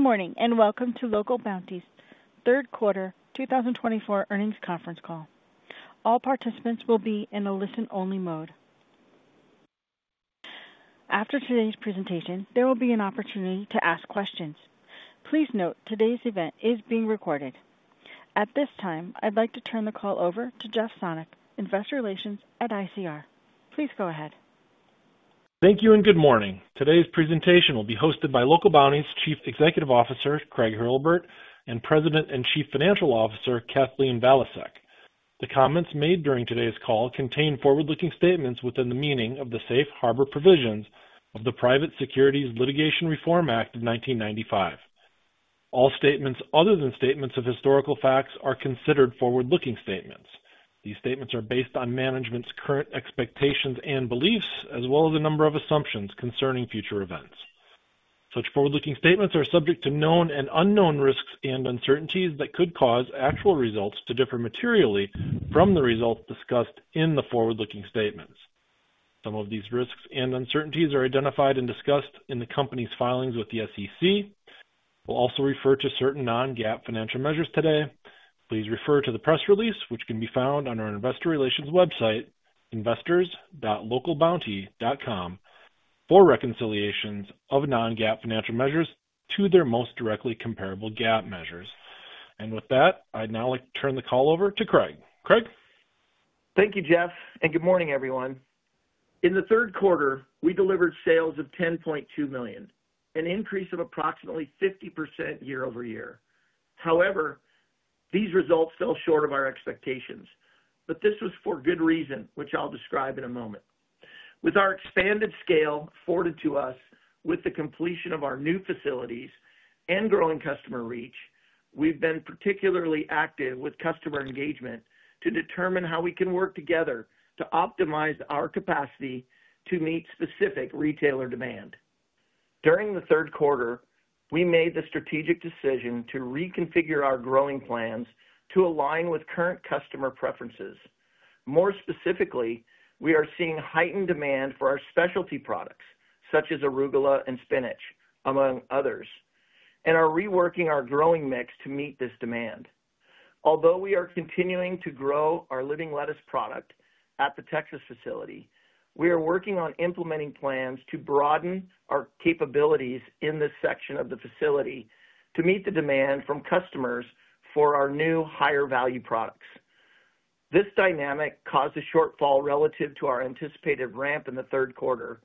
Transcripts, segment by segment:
Good morning and welcome to Local Bounti's Q3 2024 earnings conference call. All participants will be in a listen-only mode. After today's presentation, there will be an opportunity to ask questions. Please note today's event is being recorded. At this time, I'd like to turn the call over to Jeff Sonnek, Investor Relations at ICR. Please go ahead. Thank you and good morning. Today's presentation will be hosted by Local Bounti's Chief Executive Officer Craig Hurlbert and President and Chief Financial Officer Kathleen Valiasek. The comments made during today's call contain forward-looking statements within the meaning of the Safe Harbor Provisions of the Private Securities Litigation Reform Act of 1995. All statements other than statements of historical facts are considered forward-looking statements. These statements are based on management's current expectations and beliefs, as well as a number of assumptions concerning future events. Such forward-looking statements are subject to known and unknown risks and uncertainties that could cause actual results to differ materially from the results discussed in the forward-looking statements. Some of these risks and uncertainties are identified and discussed in the company's filings with the SEC. We'll also refer to certain non-GAAP financial measures today. Please refer to the press release, which can be found on our Investor Relations website, investors.localbounti.com, for reconciliations of non-GAAP financial measures to their most directly comparable GAAP measures. And with that, I'd now like to turn the call over to Craig. Craig? Thank you, Jeff, and good morning, everyone. In the third quarter, we delivered sales of $10.2 million, an increase of approximately 50% year over year. However, these results fell short of our expectations, but this was for good reason, which I'll describe in a moment. With our expanded scale afforded to us with the completion of our new facilities and growing customer reach, we've been particularly active with customer engagement to determine how we can work together to optimize our capacity to meet specific retailer demand. During the Q3, we made the strategic decision to reconfigure our growing plans to align with current customer preferences. More specifically, we are seeing heightened demand for our specialty products, such as Arugula and Spinach, among others, and are reworking our growing mix to meet this demand. Although we are continuing to grow our Living Lettuce product at the Texas facility, we are working on implementing plans to broaden our capabilities in this section of the facility to meet the demand from customers for our new higher-value products. This dynamic caused a shortfall relative to our anticipated ramp in the Q3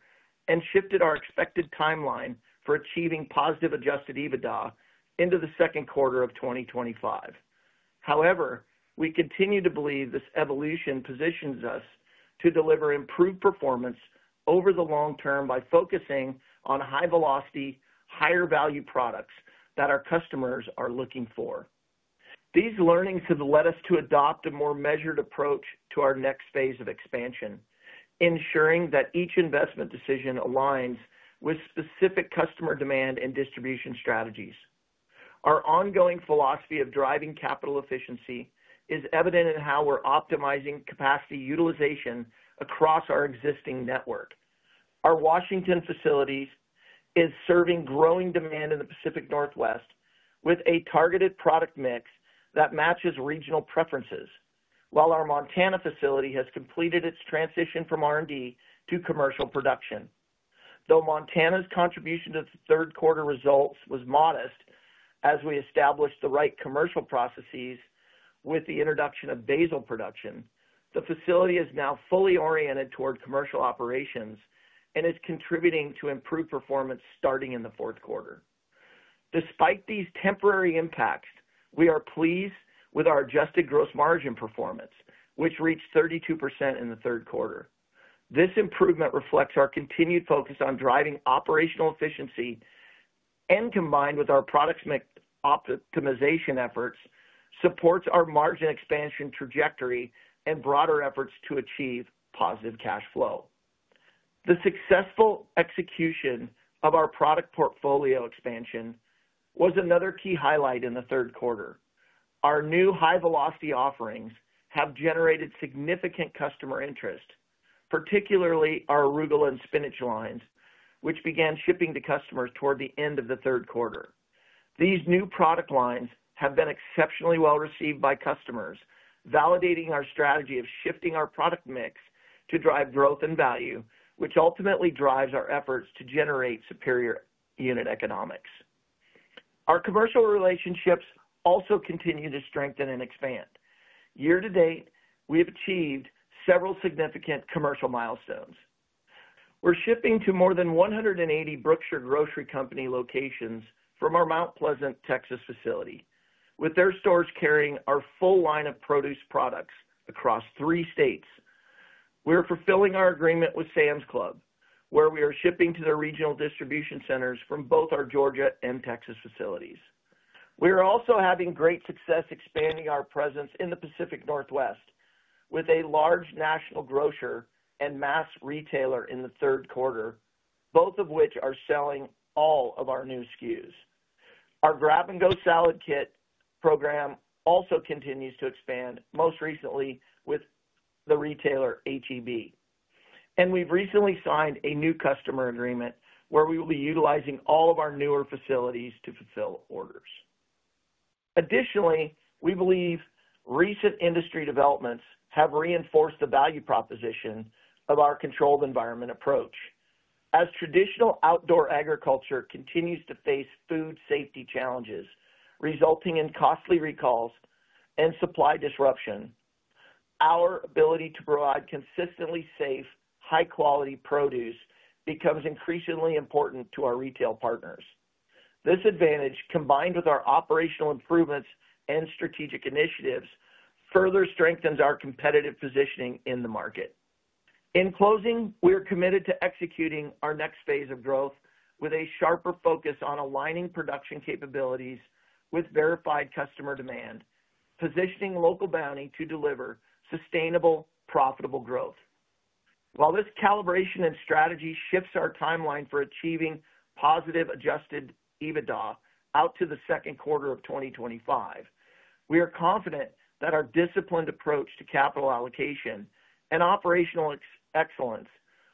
and shifted our expected timeline for achieving positive Adjusted EBITDA into the second quarter of 2025. However, we continue to believe this evolution positions us to deliver improved performance over the long term by focusing on high-velocity, higher-value products that our customers are looking for. These learnings have led us to adopt a more measured approach to our next phase of expansion, ensuring that each investment decision aligns with specific customer demand and distribution strategies. Our ongoing philosophy of driving capital efficiency is evident in how we're optimizing capacity utilization across our existing network. Our Washington facility is serving growing demand in the Pacific Northwest with a targeted product mix that matches regional preferences, while our Montana facility has completed its transition from R&D to commercial production. Though Montana's contribution to the Q3 results was modest as we established the right commercial processes with the introduction of basil production, the facility is now fully oriented toward commercial operations and is contributing to improved performance starting in the Q4. Despite these temporary impacts, we are pleased with our adjusted gross margin performance, which reached 32% in the Q3. This improvement reflects our continued focus on driving operational efficiency and, combined with our product optimization efforts, supports our margin expansion trajectory and broader efforts to achieve positive cash flow. The successful execution of our product portfolio expansion was another key highlight in the Q3. Our new high-velocity offerings have generated significant customer interest, particularly our Arugula and Spinach lines, which began shipping to customers toward the end of the third quarter. These new product lines have been exceptionally well received by customers, validating our strategy of shifting our product mix to drive growth and value, which ultimately drives our efforts to generate superior unit economics. Our commercial relationships also continue to strengthen and expand. Year to date, we have achieved several significant commercial milestones. We're shipping to more than 180 Brookshire Grocery Company locations from our Mount Pleasant, Texas facility, with their stores carrying our full line of produce products across three states. We are fulfilling our agreement with Sam's Club, where we are shipping to their regional distribution centers from both our Georgia and Texas facilities. We are also having great success expanding our presence in the Pacific Northwest with a large national grocer and mass retailer in the third quarter, both of which are selling all of our new SKUs. Our Grab and Go Salad Kit program also continues to expand, most recently with the retailer H-E-B, and we've recently signed a new customer agreement where we will be utilizing all of our newer facilities to fulfill orders. Additionally, we believe recent industry developments have reinforced the value proposition of our controlled environment approach. As traditional outdoor agriculture continues to face food safety challenges, resulting in costly recalls and supply disruption, our ability to provide consistently safe, high-quality produce becomes increasingly important to our retail partners. This advantage, combined with our operational improvements and strategic initiatives, further strengthens our competitive positioning in the market. In closing, we are committed to executing our next phase of growth with a sharper focus on aligning production capabilities with verified customer demand, positioning Local Bounti to deliver sustainable, profitable growth. While this calibration and strategy shifts our timeline for achieving positive Adjusted EBITDA out to the Q2 of 2025, we are confident that our disciplined approach to capital allocation and operational excellence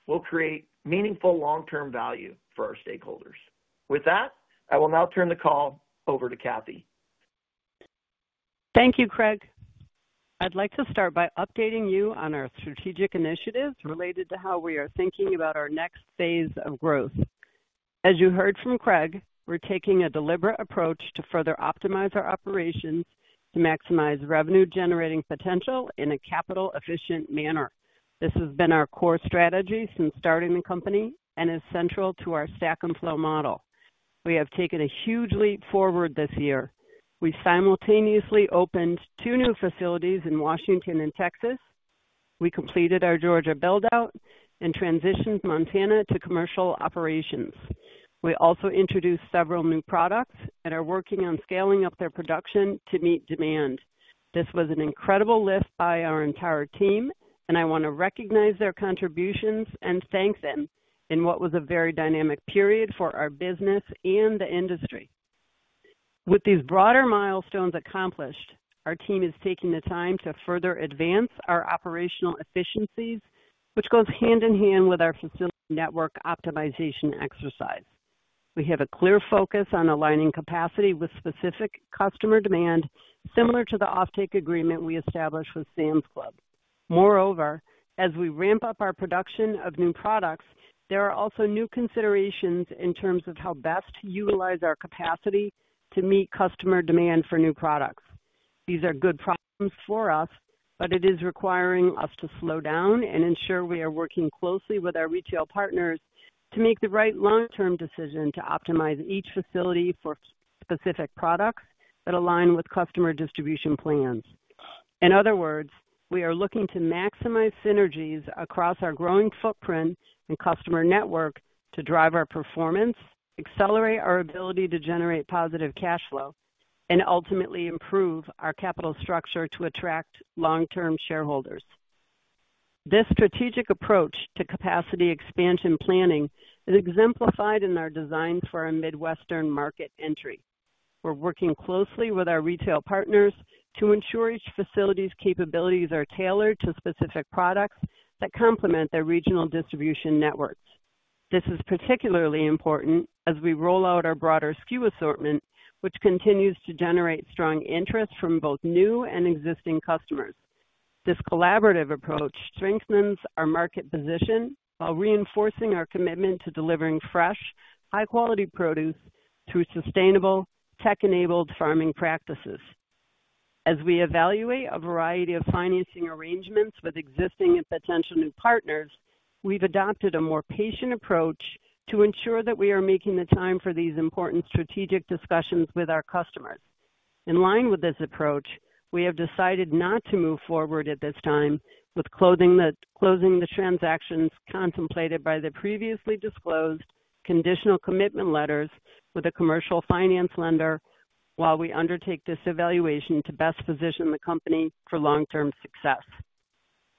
will create meaningful long-term value for our stakeholders. With that, I will now turn the call over to Kathleen. Thank you, Craig. I'd like to start by updating you on our strategic initiatives related to how we are thinking about our next phase of growth. As you heard from Craig, we're taking a deliberate approach to further optimize our operations to maximize revenue-generating potential in a capital-efficient manner. This has been our core strategy since starting the company and is central to our Stack & Flow model. We have taken a huge leap forward this year. We simultaneously opened two new facilities in Washington and Texas. We completed our Georgia buildout and transitioned Montana to commercial operations. We also introduced several new products and are working on scaling up their production to meet demand. This was an incredible lift by our entire team, and I want to recognize their contributions and thank them in what was a very dynamic period for our business and the industry. With these broader milestones accomplished, our team is taking the time to further advance our operational efficiencies, which goes hand in hand with our facility network optimization exercise. We have a clear focus on aligning capacity with specific customer demand, similar to the offtake agreement we established with Sam's Club. Moreover, as we ramp up our production of new products, there are also new considerations in terms of how best to utilize our capacity to meet customer demand for new products. These are good problems for us, but it is requiring us to slow down and ensure we are working closely with our retail partners to make the right long-term decision to optimize each facility for specific products that align with customer distribution plans. In other words, we are looking to maximize synergies across our growing footprint and customer network to drive our performance, accelerate our ability to generate positive cash flow, and ultimately improve our capital structure to attract long-term shareholders. This strategic approach to capacity expansion planning is exemplified in our designs for our Midwestern market entry. We're working closely with our retail partners to ensure each facility's capabilities are tailored to specific products that complement their regional distribution networks. This is particularly important as we roll out our broader SKU assortment, which continues to generate strong interest from both new and existing customers. This collaborative approach strengthens our market position while reinforcing our commitment to delivering fresh, high-quality produce through sustainable, tech-enabled farming practices. As we evaluate a variety of financing arrangements with existing and potential new partners, we've adopted a more patient approach to ensure that we are making the time for these important strategic discussions with our customers. In line with this approach, we have decided not to move forward at this time with closing the transactions contemplated by the previously disclosed conditional commitment letters with a commercial finance lender while we undertake this evaluation to best position the company for long-term success.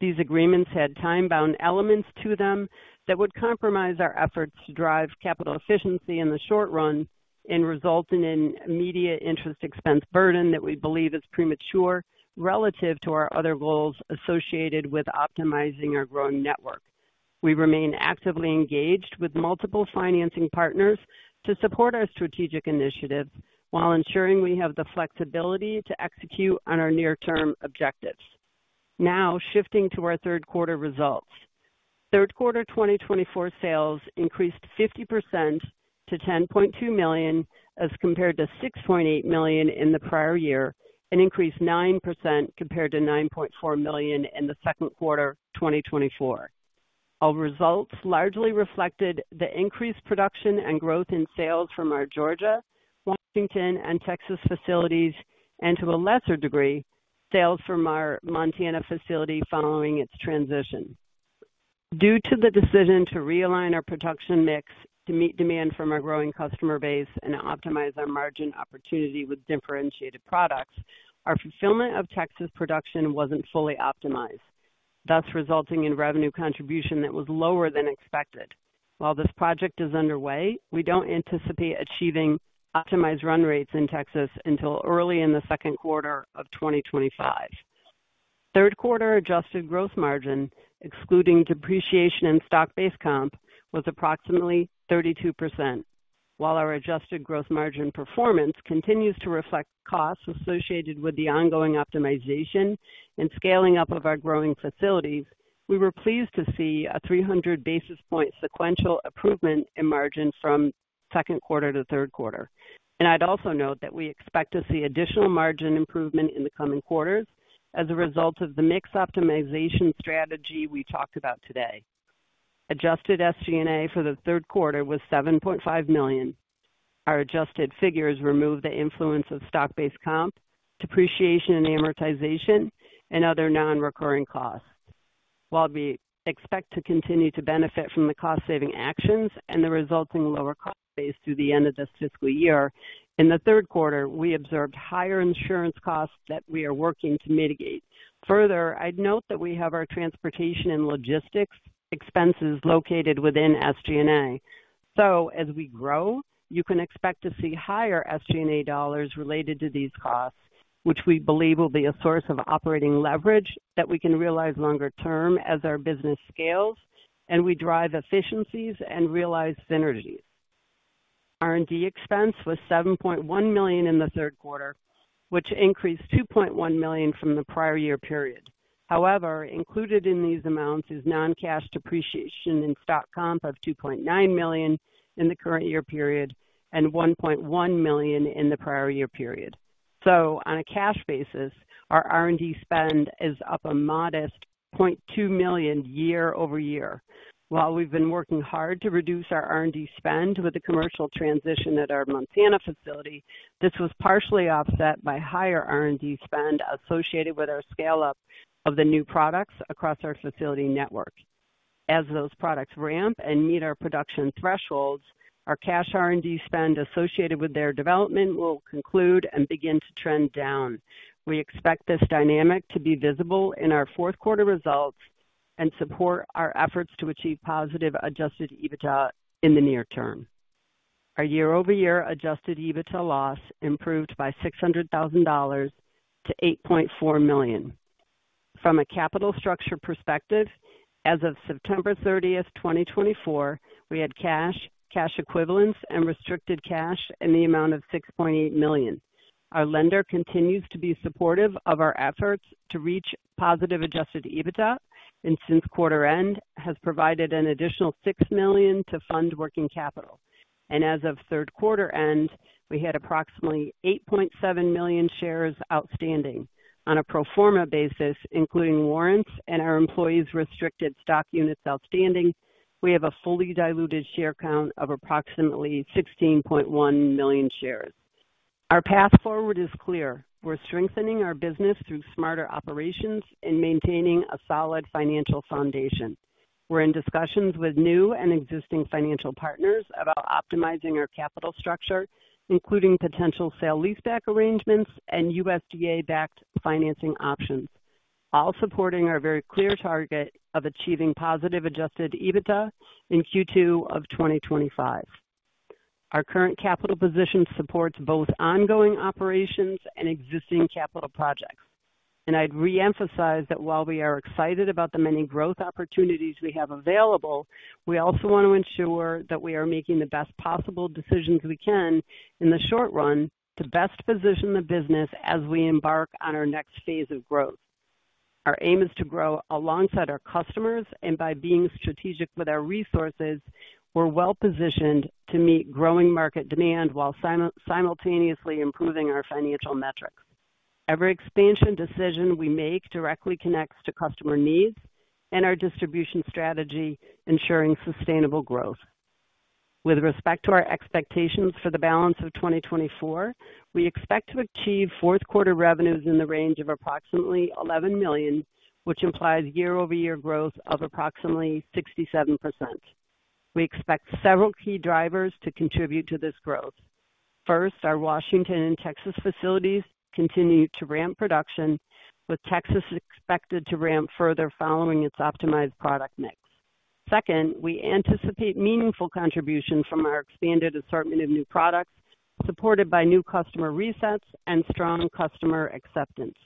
These agreements had time-bound elements to them that would compromise our efforts to drive capital efficiency in the short run and result in an immediate interest expense burden that we believe is premature relative to our other goals associated with optimizing our growing network. We remain actively engaged with multiple financing partners to support our strategic initiatives while ensuring we have the flexibility to execute on our near-term objectives. Now, shifting to our Q3 results, Q3 2024 sales increased 50% to $10.2 million as compared to $6.8 million in the prior year and increased 9% compared to $9.4 million in the second quarter 2024. Our results largely reflected the increased production and growth in sales from our Georgia, Washington, and Texas facilities, and to a lesser degree, sales from our Montana facility following its transition. Due to the decision to realign our production mix to meet demand from our growing customer base and optimize our margin opportunity with differentiated products, our fulfillment of Texas production wasn't fully optimized, thus resulting in revenue contribution that was lower than expected. While this project is underway, we don't anticipate achieving optimized run rates in Texas until early in the Q2 of 2025. Q3 adjusted gross margin, excluding depreciation and stock-based comp, was approximately 32%. While our adjusted gross margin performance continues to reflect costs associated with the ongoing optimization and scaling up of our growing facilities, we were pleased to see a 300 basis points sequential improvement in margin from Q2 to Q3, and I'd also note that we expect to see additional margin improvement in the coming quarters as a result of the mix optimization strategy we talked about today. Adjusted SG&A for the Q3 was $7.5 million. Our adjusted figures remove the influence of stock-based comp, depreciation and amortization, and other non-recurring costs. While we expect to continue to benefit from the cost-saving actions and the resulting lower cost base through the end of this fiscal year, in the Q3, we observed higher insurance costs that we are working to mitigate. Further, I'd note that we have our transportation and logistics expenses located within SG&A. As we grow, you can expect to see higher SG&A dollars related to these costs, which we believe will be a source of operating leverage that we can realize longer term as our business scales and we drive efficiencies and realize synergies. R&D expense was $7.1 million in the Q3, which increased $2.1 million from the prior year period. However, included in these amounts is non-cash depreciation and stock comp of $2.9 million in the current year period and $1.1 million in the prior year period. So, on a cash basis, our R&D spend is up a modest $0.2 million year over year. While we've been working hard to reduce our R&D spend with the commercial transition at our Montana facility, this was partially offset by higher R&D spend associated with our scale-up of the new products across our facility network. As those products ramp and meet our production thresholds, our cash R&D spend associated with their development will conclude and begin to trend down. We expect this dynamic to be visible in our Q4 results and support our efforts to achieve positive Adjusted EBITDA in the near term. Our year-over-year Adjusted EBITDA loss improved by $600,000 to $8.4 million. From a capital structure perspective, as of September 30, 2024, we had cash, cash equivalents, and restricted cash in the amount of $6.8 million. Our lender continues to be supportive of our efforts to reach positive Adjusted EBITDA, and since quarter end, has provided an additional $6 million to fund working capital. And as of Q3 end, we had approximately $8.7 million shares outstanding. On a pro forma basis, including warrants and our employees' restricted stock units outstanding, we have a fully diluted share count of approximately $16.1 million shares. Our path forward is clear. We're strengthening our business through smarter operations and maintaining a solid financial foundation. We're in discussions with new and existing financial partners about optimizing our capital structure, including potential sale-leaseback arrangements and USDA-backed financing options, all supporting our very clear target of achieving positive Adjusted EBITDA in Q2 of 2025. Our current capital position supports both ongoing operations and existing capital projects, and I'd re-emphasize that while we are excited about the many growth opportunities we have available, we also want to ensure that we are making the best possible decisions we can in the short run to best position the business as we embark on our next phase of growth. Our aim is to grow alongside our customers, and by being strategic with our resources, we're well-positioned to meet growing market demand while simultaneously improving our financial metrics. Every expansion decision we make directly connects to customer needs and our distribution strategy, ensuring sustainable growth. With respect to our expectations for the balance of 2024, we expect to achieve Q4 revenues in the range of approximately $11 million, which implies year-over-year growth of approximately 67%. We expect several key drivers to contribute to this growth. First, our Washington and Texas facilities continue to ramp production, with Texas expected to ramp further following its optimized product mix. Second, we anticipate meaningful contribution from our expanded assortment of new products, supported by new customer resets and strong customer acceptance.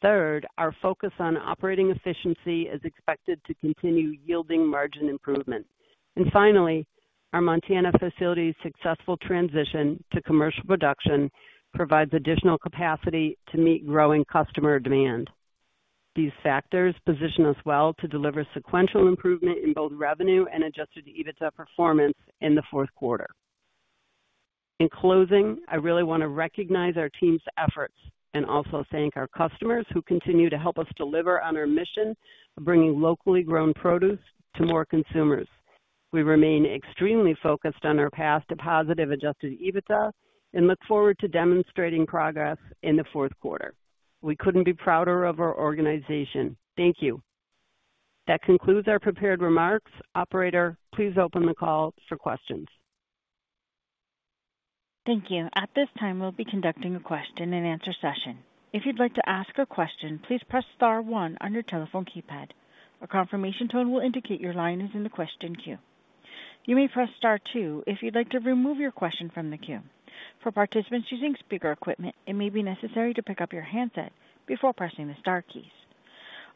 Third, our focus on operating efficiency is expected to continue yielding margin improvement. Finally, our Montana facility's successful transition to commercial production provides additional capacity to meet growing customer demand. These factors position us well to deliver sequential improvement in both revenue and Adjusted EBITDA performance in the fourth quarter. In closing, I really want to recognize our team's efforts and also thank our customers who continue to help us deliver on our mission of bringing locally grown produce to more consumers. We remain extremely focused on our path to positive Adjusted EBITDA and look forward to demonstrating progress in the Q4. We couldn't be prouder of our organization. Thank you. That concludes our prepared remarks. Operator, please open the call for questions. Thank you. At this time, we'll be conducting a question-and-answer session. If you'd like to ask a question, please press Star one on your telephone keypad. A confirmation tone will indicate your line is in the question queue. You may press Star two if you'd like to remove your question from the queue. For participants using speaker equipment, it may be necessary to pick up your handset before pressing the Star keys.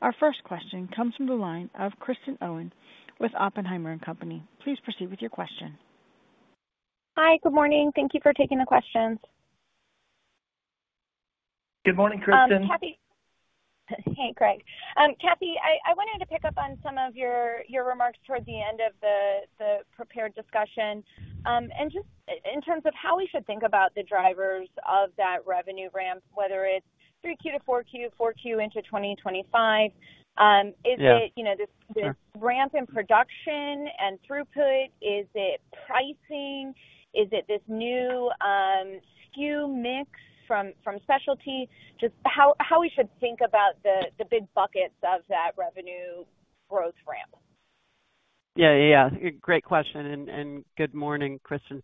Our first question comes from the line of Kristen Owen with Oppenheimer & Company. Please proceed with your question. Hi, good morning. Thank you for taking the questions. Good morning, Kristen. Hey, Craig. Kathleen, I wanted to pick up on some of your remarks towards the end of the prepared discussion. And just in terms of how we should think about the drivers of that revenue ramp, whether it's through Q2, Q4, Q4 into 2025, is it this ramp in production and throughput? Is it pricing? Is it this new SKU mix from specialty? Just how we should think about the big buckets of that revenue growth ramp? Yeah, yeah, yeah. Great question. And good morning, Kristen.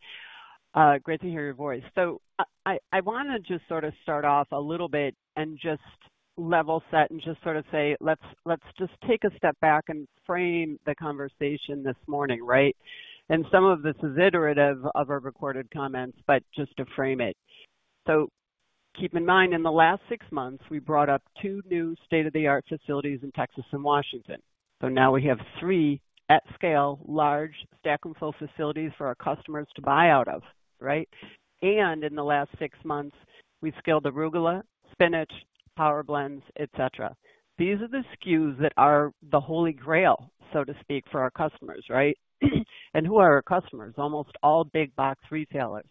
Great to hear your voice. So I want to just sort of start off a little bit and just level set and just sort of say, let's just take a step back and frame the conversation this morning, right? And some of this is iterative of our recorded comments, but just to frame it. So keep in mind, in the last six months, we brought up two new state-of-the-art facilities in Texas and Washington. So now we have three at-scale large Stack & Flow facilities for our customers to buy out of, right? And in the last six months, we've scaled Arugula, Spinach, Power Blends, etc. These are the SKUs that are the Holy Grail, so to speak, for our customers, right? And who are our customers? Almost all big-box retailers: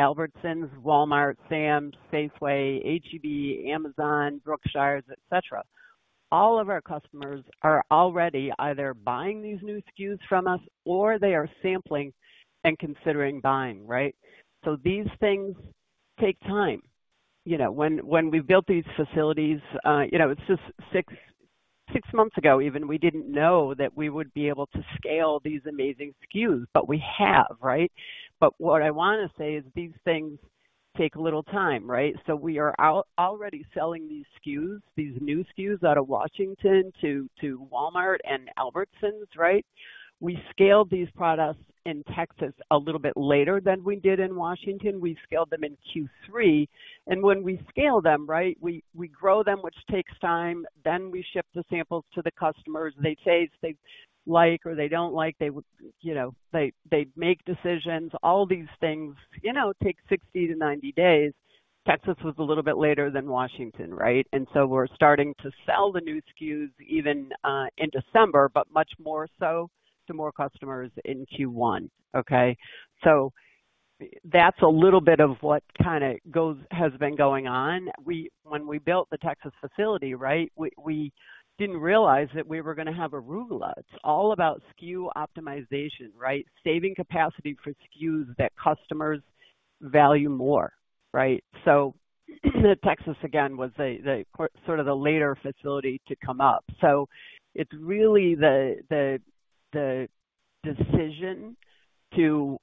Albertsons, Walmart, Sam's, Safeway, H-E-B, Amazon, Brookshire, etc. All of our customers are already either buying these new SKUs from us or they are sampling and considering buying, right? So these things take time. When we built these facilities, it's just six months ago even, we didn't know that we would be able to scale these amazing SKUs, but we have, right? But what I want to say is these things take a little time, right? So we are already selling these SKUs, these new SKUs out of Washington to Walmart and Albertsons, right? We scaled these products in Texas a little bit later than we did in Washington. We scaled them in Q3. And when we scale them, right, we grow them, which takes time. Then we ship the samples to the customers. They say they like or they don't like. They make decisions. All these things take 60 to 90 days. Texas was a little bit later than Washington, right? And so we're starting to sell the new SKUs even in December, but much more so to more customers in Q1, okay? So that's a little bit of what kind of has been going on. When we built the Texas facility, right, we didn't realize that we were going to have Arugula. It's all about SKU optimization, right? Saving capacity for SKUs that customers value more, right? So Texas, again, was sort of the later facility to come up. So it's really the decision to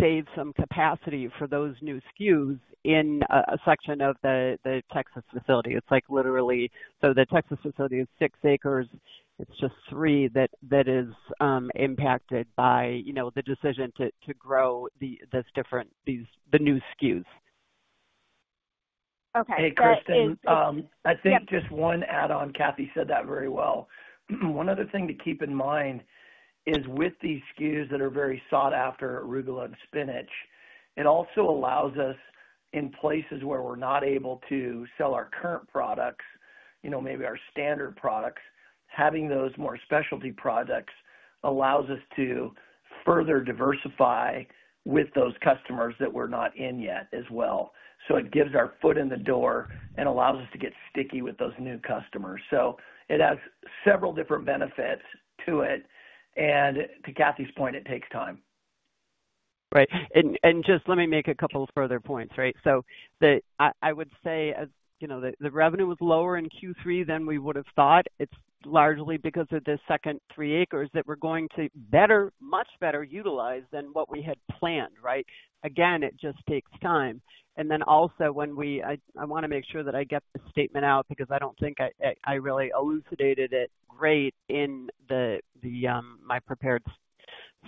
save some capacity for those new SKUs in a section of the Texas facility. It's like literally, so the Texas facility is six acres. It's just three that is impacted by the decision to grow the new SKUs. Okay. Great. And Kristen I think just one add-on. Kathleen said that very well. One other thing to keep in mind is with these SKUs that are very sought after, Arugula and Spinach. It also allows us in places where we're not able to sell our current products, maybe our standard products. Having those more specialty products allows us to further diversify with those customers that we're not in yet as well. So it gives our foot in the door and allows us to get sticky with those new customers. So it has several different benefits to it. And to Kathleen's point, it takes time. Right. And just let me make a couple of further points, right? So I would say the revenue was lower in Q3 than we would have thought. It's largely because of this second three acres that we're going to better, much better utilize than what we had planned, right? Again, it just takes time. And then also, when we—I want to make sure that I get the statement out because I don't think I really elucidated it great in my prepared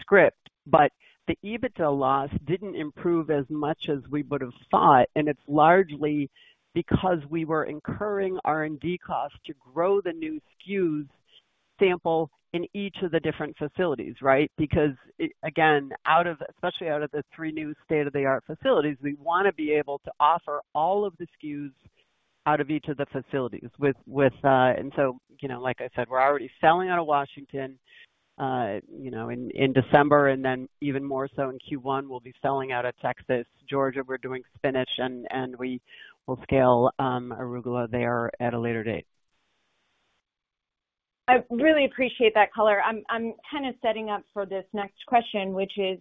script. But the EBITDA loss didn't improve as much as we would have thought. And it's largely because we were incurring R&D costs to grow the new SKUs sample in each of the different facilities, right? Because, again, especially out of the three new state-of-the-art facilities, we want to be able to offer all of the SKUs out of each of the facilities. And so, like I said, we're already selling out of Washington in December, and then even more so in Q1, we'll be selling out of Texas. Georgia, we're doing spinach, and we will scale Arugula there at a later date. I really appreciate that, caller. I'm kind of setting up for this next question, which is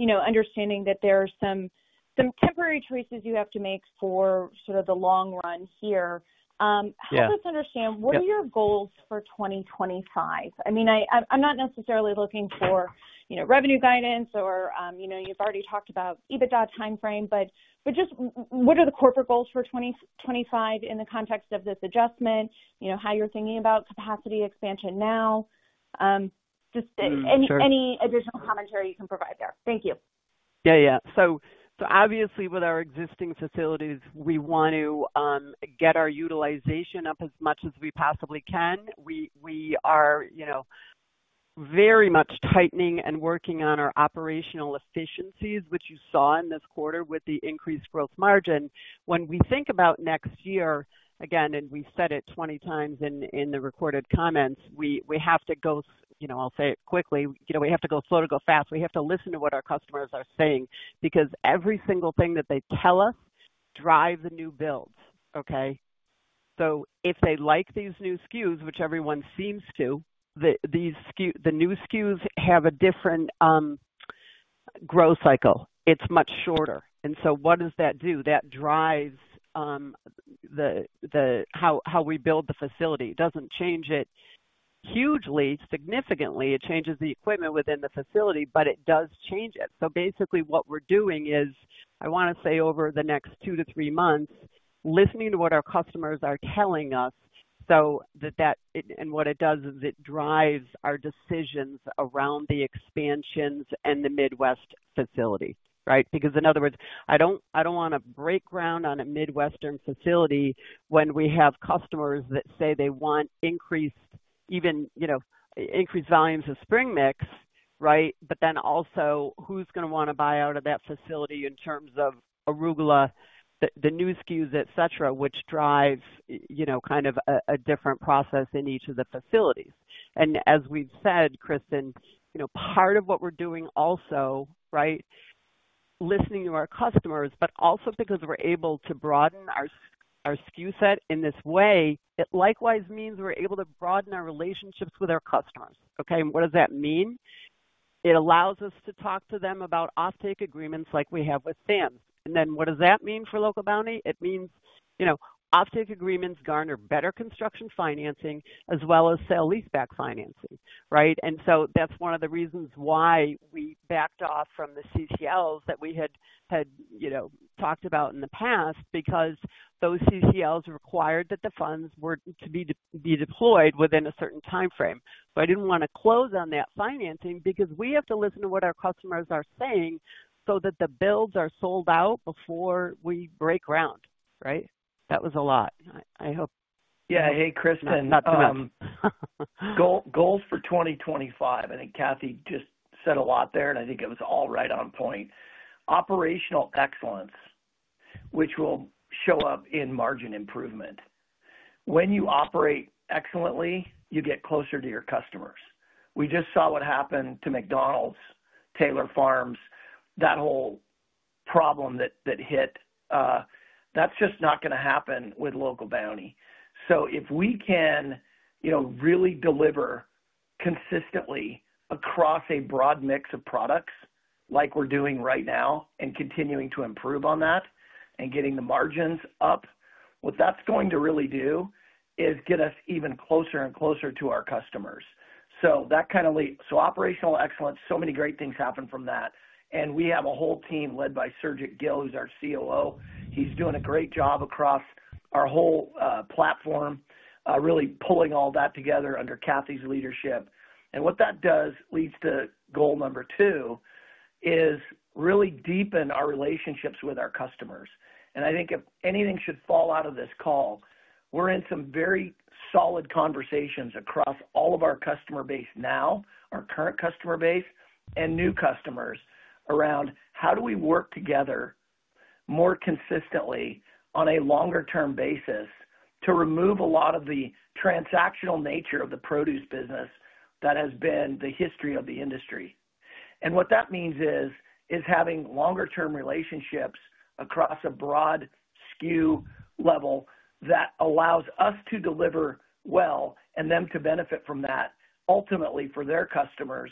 understanding that there are some temporary choices you have to make for sort of the long run here. Help us understand, what are your goals for 2025? I mean, I'm not necessarily looking for revenue guidance, or you've already talked about EBITDA timeframe, but just what are the corporate goals for 2025 in the context of this adjustment? How you're thinking about capacity expansion now? Just any additional commentary you can provide there. Thank you. Yeah, yeah. So obviously, with our existing facilities, we want to get our utilization up as much as we possibly can. We are very much tightening and working on our operational efficiencies, which you saw in this quarter with the increased gross margin. When we think about next year, again, and we said it 20 times in the recorded comments, we have to go, I'll say it quickly, we have to go slow to go fast. We have to listen to what our customers are saying because every single thing that they tell us drives a new build, okay? So if they like these new SKUs, which everyone seems to, the new SKUs have a different growth cycle. It's much shorter. And so what does that do? That drives how we build the facility. It doesn't change it hugely, significantly. It changes the equipment within the facility, but it does change it. So basically, what we're doing is, I want to say over the next two to three months, listening to what our customers are telling us so that, and what it does is it drives our decisions around the expansions and the Midwest facility, right? Because in other words, I don't want to break ground on a Midwestern facility when we have customers that say they want increased volumes of spring mix, right? But then also, who's going to want to buy out of that facility in terms of Arugula, the new SKUs, etc., which drives kind of a different process in each of the facilities. And as we've said, Kristen, part of what we're doing also, right, listening to our customers, but also because we're able to broaden our SKU set in this way, it likewise means we're able to broaden our relationships with our customers, okay? And what does that mean? It allows us to talk to them about offtake agreements like we have with them. And then what does that mean for Local Bounti? It means offtake agreements garner better construction financing as well as sale leaseback financing, right? That's one of the reasons why we backed off from the CCLs that we had talked about in the past because those CCLs required that the funds were to be deployed within a certain timeframe. I didn't want to close on that financing because we have to listen to what our customers are saying so that the builds are sold out before we break ground, right? That was a lot. I hope. Yeah. Hey, Kristen. [Not too much.] Goals for 2025. I think Kathleen just said a lot there, and I think it was all right on point. Operational excellence, which will show up in margin improvement. When you operate excellently, you get closer to your customers. We just saw what happened to McDonald's, Taylor Farms, that whole problem that hit. That's just not going to happen with Local Bounti. So if we can really deliver consistently across a broad mix of products like we're doing right now and continuing to improve on that and getting the margins up, what that's going to really do is get us even closer and closer to our customers. So that kind of leads to operational excellence. So many great things happen from that. And we have a whole team led by Surjit Gill, who's our COO. He's doing a great job across our whole platform, really pulling all that together under Kathleen's leadership. And what that does leads to goal number two is really deepen our relationships with our customers. And I think if anything should fall out of this call, we're in some very solid conversations across all of our customer base now, our current customer base, and new customers around how do we work together more consistently on a longer-term basis to remove a lot of the transactional nature of the produce business that has been the history of the industry. And what that means is having longer-term relationships across a broad SKU level that allows us to deliver well and them to benefit from that ultimately for their customers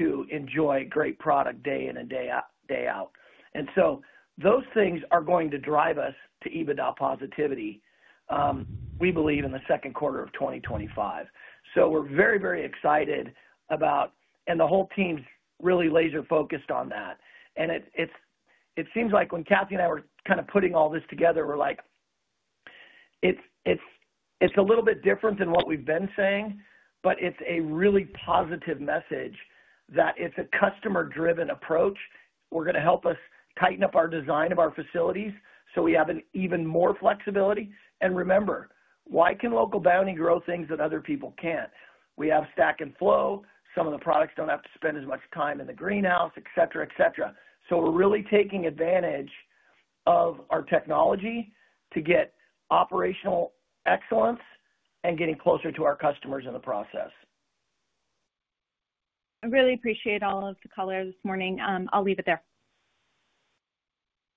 to enjoy great product day in and day out. And so those things are going to drive us to EBITDA positivity, we believe, in the second quarter of 2025. So we're very, very excited about, and the whole team's really laser-focused on that. And it seems like when Kathleen and I were kind of putting all this together, we're like, it's a little bit different than what we've been saying, but it's a really positive message that it's a customer-driven approach. We're going to help us tighten up our design of our facilities so we have even more flexibility. And remember, why can Local Bounti grow things that other people can't? We have stack and flow. Some of the products don't have to spend as much time in the greenhouse, etc., etc. So we're really taking advantage of our technology to get operational excellence and getting closer to our customers in the process. I really appreciate all of the callers this morning. I'll leave it there.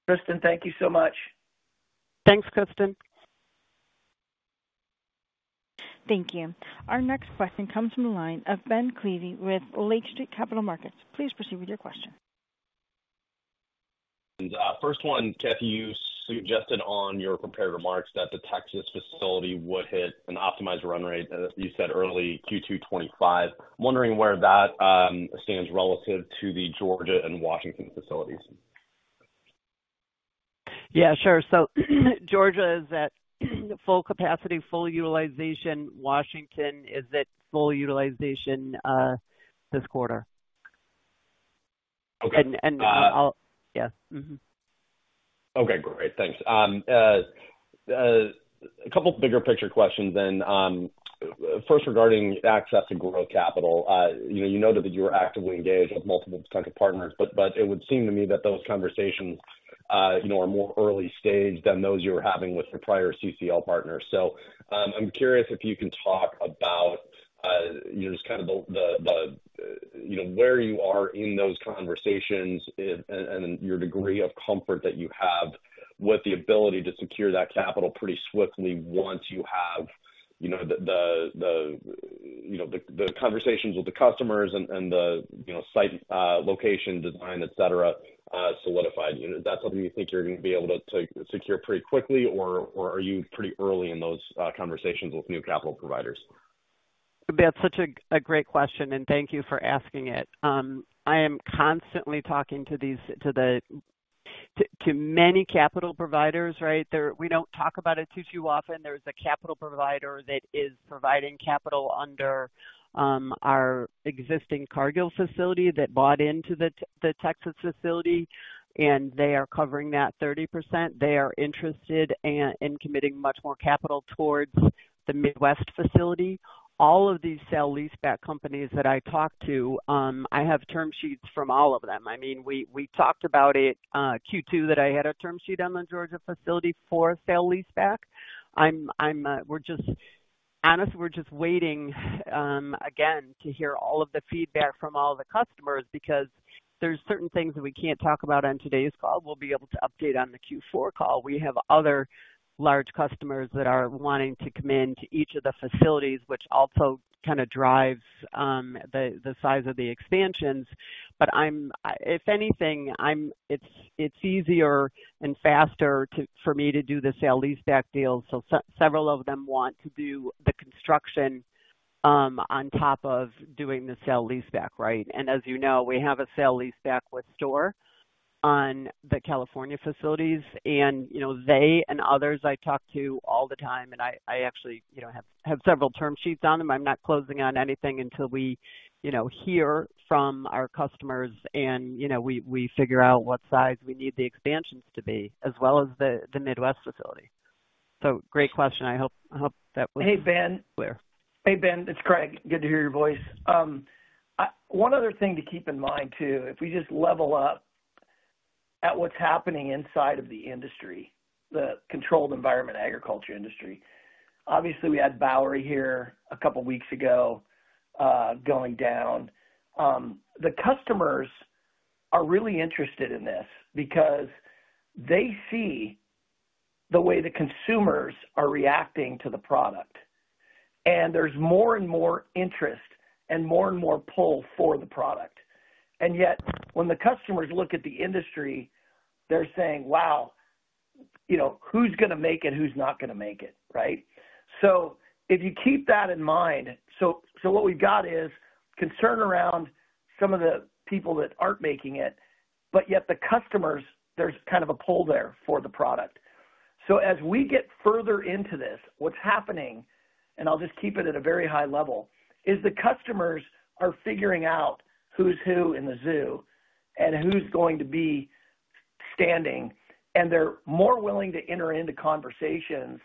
Kristen, thank you so much. Thanks, Kristen. Thank you. Our next question comes from the line of Ben Klieve with Lake Street Capital Markets.Please proceed with your question. First one, Kathleen, you suggested on your prepared remarks that the Texas facility would hit an optimized run rate, as you said early, Q2 2025. I'm wondering where that stands relative to the Georgia and Washington facilities. Yeah, sure. So Georgia is at full capacity, full utilization. Washington is at full utilization this quarter. Okay. And yeah. Okay. Great. Thanks. A couple of bigger picture questions then. First, regarding access to growth capital, you noted that you were actively engaged with multiple potential partners, but it would seem to me that those conversations are more early-stage than those you were having with the prior CCL partners. So I'm curious if you can talk about just kind of the where you are in those conversations and your degree of comfort that you have with the ability to secure that capital pretty swiftly once you have the conversations with the customers and the site location design, etc., solidified. Is that something you think you're going to be able to secure pretty quickly, or are you pretty early in those conversations with new capital providers? That's such a great question, and thank you for asking it. I am constantly talking to many capital providers, right? We don't talk about it too often. There's a capital provider that is providing capital under our existing Cargill facility that bought into the Texas facility, and they are covering that 30%. They are interested in committing much more capital towards the Midwest facility. All of these sale-leaseback companies that I talked to, I have term sheets from all of them. I mean, we talked about it Q2 that I had a term sheet on the Georgia facility for sale-leaseback. We're just honest, we're just waiting, again, to hear all of the feedback from all the customers because there's certain things that we can't talk about on today's call. We'll be able to update on the Q4 call. We have other large customers that are wanting to come into each of the facilities, which also kind of drives the size of the expansions. But if anything, it's easier and faster for me to do the sale-leaseback deals. So several of them want to do the construction on top of doing the sale-leaseback, right? And as you know, we have a sale-leaseback with store on the California facilities. They and others I talk to all the time, and I actually have several term sheets on them. I'm not closing on anything until we hear from our customers, and we figure out what size we need the expansions to be, as well as the Midwest facility. Great question. I hope that was. Hey, Ben. Hey, Ben. It's Craig. Good to hear your voice. One other thing to keep in mind too, if we just level up at what's happening inside of the industry, the controlled environment agriculture industry. Obviously, we had Bowery here a couple of weeks ago going down. The customers are really interested in this because they see the way the consumers are reacting to the product. There's more and more interest and more and more pull for the product. And yet, when the customers look at the industry, they're saying, "Wow, who's going to make it? Who's not going to make it?" Right? So if you keep that in mind, so what we've got is concern around some of the people that aren't making it, but yet the customers, there's kind of a pull there for the product. So as we get further into this, what's happening, and I'll just keep it at a very high level, is the customers are figuring out who's who in the zoo and who's going to be standing, and they're more willing to enter into conversations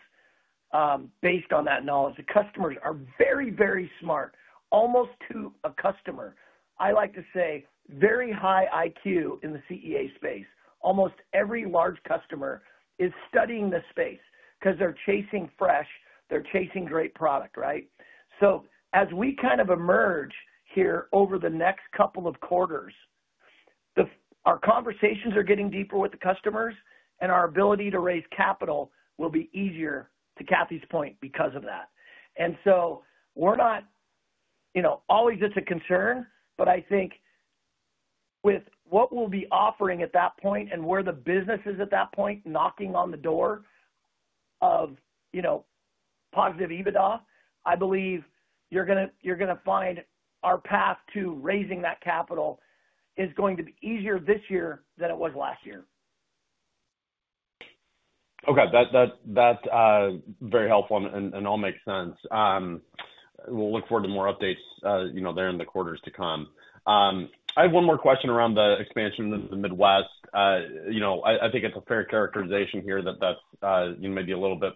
based on that knowledge. The customers are very, very smart. Almost to a customer, I like to say, very high IQ in the CEA space. Almost every large customer is studying the space because they're chasing fresh, they're chasing great product, right? So as we kind of emerge here over the next couple of quarters, our conversations are getting deeper with the customers, and our ability to raise capital will be easier, to Kathleen's point, because of that. And so it's not always a concern, but I think with what we'll be offering at that point and where the business is at that point, knocking on the door of positive EBITDA, I believe you're going to find our path to raising that capital is going to be easier this year than it was last year. Okay. That's very helpful, and all makes sense. We'll look forward to more updates there in the quarters to come. I have one more question around the expansion in the Midwest. I think it's a fair characterization here that that's maybe a little bit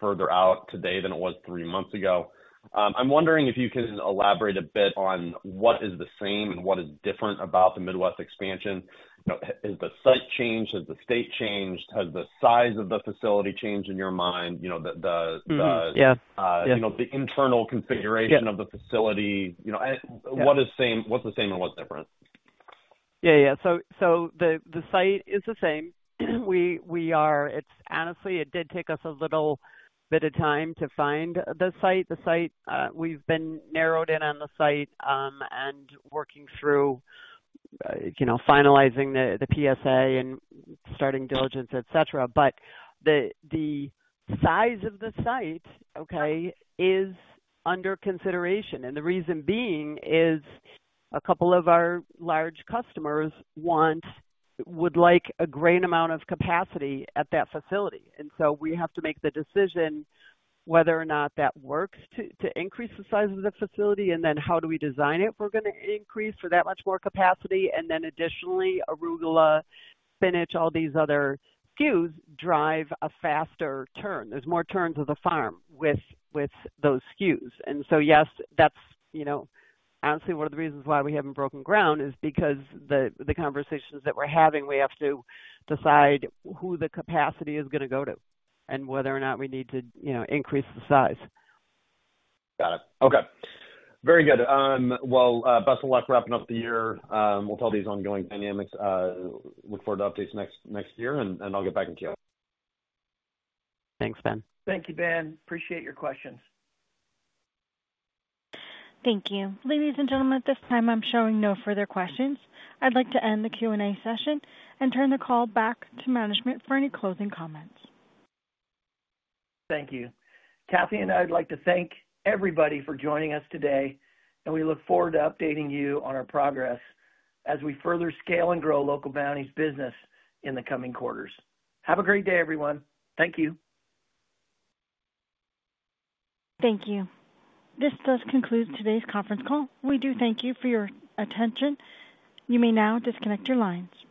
further out today than it was three months ago. I'm wondering if you can elaborate a bit on what is the same and what is different about the Midwest expansion. Has the site changed? Has the state changed? Has the size of the facility changed in your mind? The internal configuration of the facility? What's the same and what's different? Yeah. Yeah. So the site is the same. It's honestly, it did take us a little bit of time to find the site. We've been narrowed in on the site and working through finalizing the PSA and starting diligence, etc. But the size of the site, okay, is under consideration. And the reason being is a couple of our large customers would like a great amount of capacity at that facility. And so we have to make the decision whether or not that works to increase the size of the facility and then how do we design it. We're going to increase for that much more capacity. And then additionally, Arugula, Spinach, all these other SKUs drive a faster turn. There's more turns of the farm with those SKUs. And so yes, that's honestly one of the reasons why we haven't broken ground is because the conversations that we're having, we have to decide who the capacity is going to go to and whether or not we need to increase the size. Got it. Okay. Very good. Well, best of luck wrapping up the year. We'll tell these ongoing dynamics. Look forward to updates next year, and I'll get back in touch. Thanks, Ben. Thank you, Ben. Appreciate your questions. Thank you. Ladies and gentlemen, at this time, I'm showing no further questions. I'd like to end the Q&A session and turn the call back to management for any closing comments. Thank you. Kathleen and I would like to thank everybody for joining us today, and we look forward to updating you on our progress as we further scale and grow Local Bounti's business in the coming quarters. Have a great day, everyone. Thank you. Thank you. This does conclude today's conference call. We do thank you for your attention. You may now disconnect your lines.